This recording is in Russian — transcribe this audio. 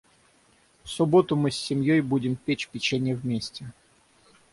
В субботу мы с семьей будем печь печенье вместе.